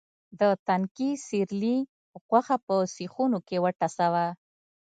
د تنکي سېرلي غوښه په سیخونو کې وټسوه.